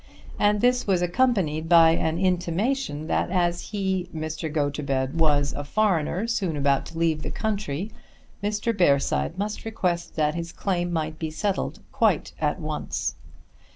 And this was accompanied by an intimation that as he, Mr. Gotobed, was a foreigner soon about to leave the country, Mr. Bearside must request that his claim might be settled quite at once.